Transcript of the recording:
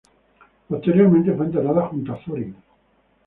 Posteriormente fue enterrada junto a Thorin.